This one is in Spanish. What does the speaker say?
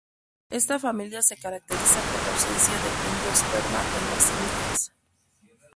Esta familia se caracteriza por la ausencia de endosperma en las semillas.